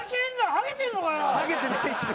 ハゲてないですよ。